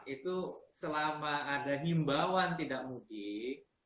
itu selama ada himbawan tidak mudik